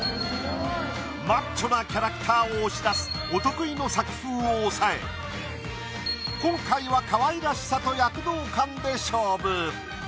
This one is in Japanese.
マッチョなキャラクターを押し出すお得意の作風を抑え今回はかわいらしさと躍動感で勝負。